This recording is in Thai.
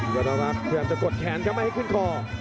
ยอดออกราฟพยายามจะกดแขนกลับมาให้ขึ้นคอ